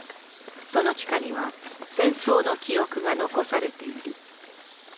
その地下には、戦争の記憶が残されている。